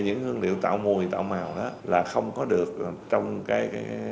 những hương liệu tạo mùi tạo màu đó là không có được trong cái